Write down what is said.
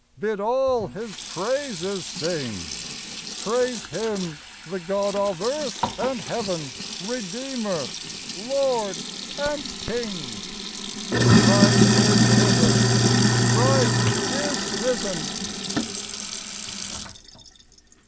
Bid all His praises sing ; Praise Him, the God of earth and heaven, Redeemer, Lord, and King. Christ is risen ! Christ is risen